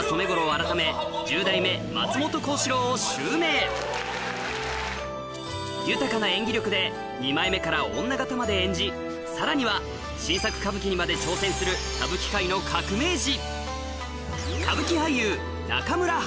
改め豊かな演技力で二枚目から女方まで演じさらには新作歌舞伎にまで挑戦する歌舞伎界の革命児